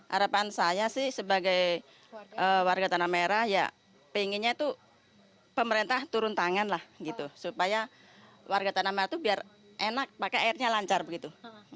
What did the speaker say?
harapan saya sih sebagai warga tanah merah ya pengennya tuh pemerintah turun tangan lah gitu supaya warga tanah merah itu biar enak pakai airnya lancar begitu